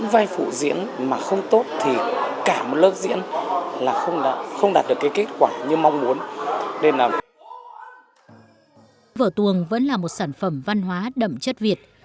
vở tuồng vẫn là một sản phẩm văn hóa đậm chất việt